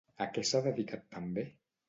A què s'ha dedicat també?